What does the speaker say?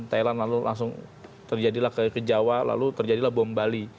thailand lalu langsung terjadilah ke jawa lalu terjadilah bom bali